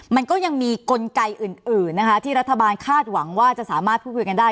มันก็ยังมีกลไกอื่นนะคะที่รัฐบาลคาดหวังว่าจะสามารถพูดคุยกันได้